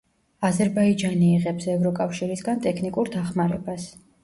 აზერბაიჯანი იღებს ევროკავშირისგან ტექნიკურ დახმარებას.